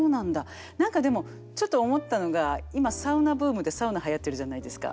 何かでもちょっと思ったのが今サウナブームでサウナはやってるじゃないですか。